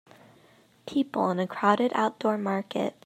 People in a crowded outdoor market.